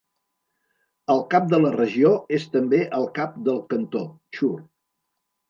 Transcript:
El cap de la regió és també el cap del cantó, Chur.